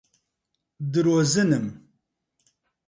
درۆزنم.